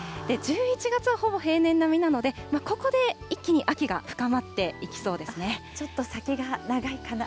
１１月はほぼ平年並みなので、ここで一気に秋が深まっていきそうちょっと先が長いかな。